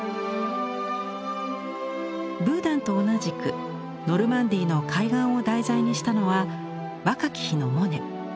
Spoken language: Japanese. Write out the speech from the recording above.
ブーダンと同じくノルマンディーの海岸を題材にしたのは若き日のモネ。